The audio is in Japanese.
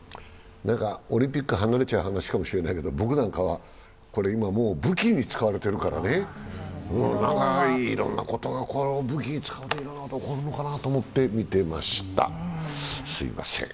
オリンピック離れちゃう話かもしれないけど、僕なんかは今もう武器に使われてるからね、いろいろなこと、武器に使われているな、大丈夫かなとみていました。